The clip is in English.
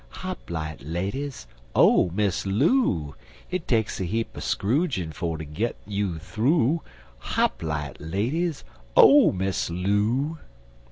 Hop light, ladies, Oh, Miss Loo! Hit takes a heap er scrougin' For ter git you thoo Hop light, ladies, Oh, Miss Loo!